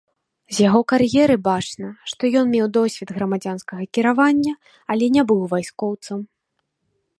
З яго кар'еры бачна, што ён меў досвед грамадзянскага кіравання, але не быў вайскоўцам.